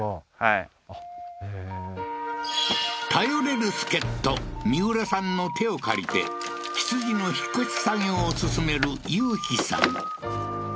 はいへえー頼れる助っと三浦さんの手を借りて羊の引っ越し作業を進める雄飛さん